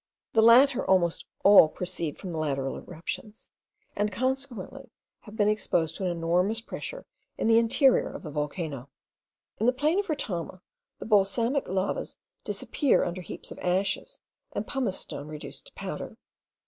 The latter almost all proceed from lateral eruptions, and consequently have been exposed to an enormous pressure in the interior of the volcano. In the plain of Retama, the basaltic lavas disappear under heaps of ashes, and pumice stone reduced to powder.